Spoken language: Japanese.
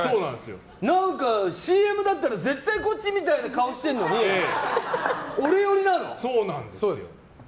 何かＣＭだったら絶対こっちみたいな顔してるのにそうなんです。